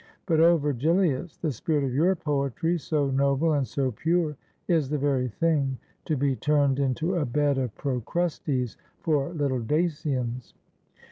But, O, Ver gilius, the spirit of your poetry, so noble and so pure, is the very thing to be turned into a bed of Procrustes for Kttle Dacians!"